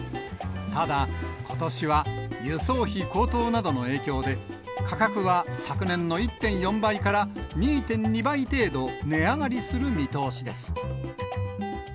ただ、ことしは輸送費高騰などの影響で、価格は昨年の１．４倍から２．２倍程度、値上がりする見通しです。